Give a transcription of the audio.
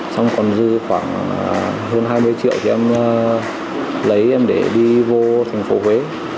xong còn dư khoảng hơn hai mươi triệu thì em lấy em để đi vô thành phố huế